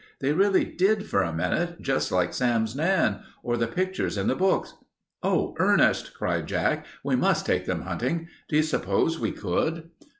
They really did, for a minute, just like Sam's Nan, or the pictures in the books." "Oh, Ernest," cried Jack, "we must take them hunting. Do you s'pose we could?"